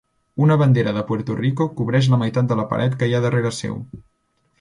Una bandera de Puerto Rico cobreix la meitat de la paret que hi ha darrera seu.